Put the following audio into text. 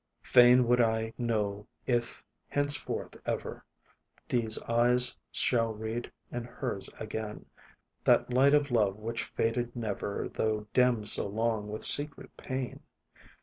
Fain would I know if, henceforth, ever, These eyes shall read in hers again, That light of love which faded never, Though dimmed so long with secret pain.